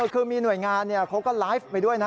คือมีหน่วยงานเขาก็ไลฟ์ไปด้วยนะ